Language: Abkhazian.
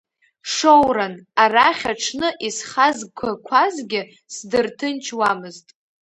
Шоуран, арахь аҽны исхазгақәазгьы сдырҭынчуамызт.